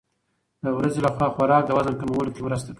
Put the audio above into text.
د ورځې لخوا خوراک د وزن کمولو کې مرسته کوي.